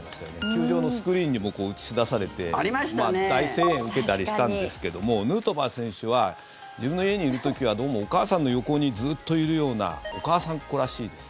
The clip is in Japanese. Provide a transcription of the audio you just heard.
球場のスクリーンにもこう映し出されて大声援受けたりしたんですけどもヌートバー選手は自分の家にいる時はどうもお母さんの横にずっといるようなお母さんっ子らしいです。